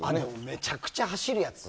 めちゃくちゃ走るやつ。